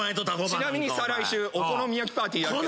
ちなみに再来週お好み焼きパーティーやるけど。